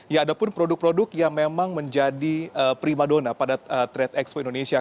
ya ada pun produk produk yang memang menjadi prima dona pada trade expo indonesia